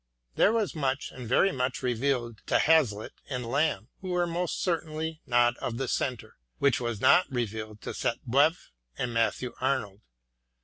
There was much, and very much, revealed to Hazlitt and Lamb, who were most certainly not of the centre, which was not revealed to Sainte Beuve and Matthew Arnold.